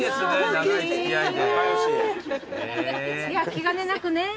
気兼ねなくね。